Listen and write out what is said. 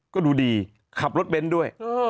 ก็ดูดีขับรถเบ้นด้วย